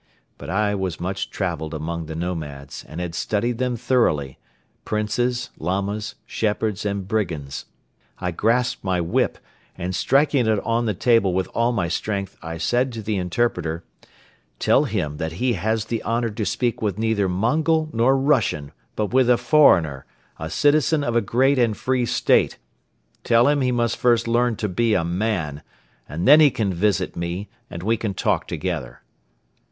But I was much traveled among the nomads and had studied them thoroughly Princes, Lamas, shepherds and brigands. I grasped my whip and, striking it on the table with all my strength, I said to the interpreter: "Tell him that he has the honor to speak with neither Mongol nor Russian but with a foreigner, a citizen of a great and free state. Tell him he must first learn to be a man and then he can visit me and we can talk together."